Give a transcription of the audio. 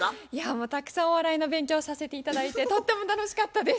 もうたくさんお笑いの勉強させて頂いてとっても楽しかったです。